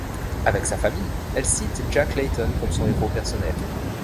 Avec sa famille, elle cite Jack Layton comme son héros personnel.